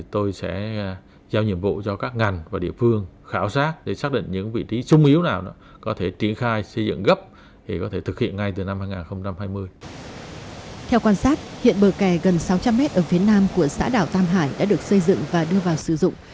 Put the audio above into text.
theo quan sát hiện bờ kè gần sáu trăm linh mét ở phía nam của xã đảo tam hải đã được xây dựng và đưa vào sử dụng